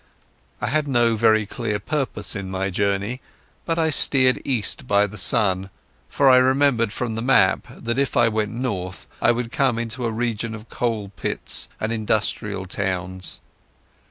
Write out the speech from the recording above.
I had no very clear purpose in my journey, but I steered east by the sun, for I remembered from the map that if I went north I would come into a region of coalpits and industrial towns.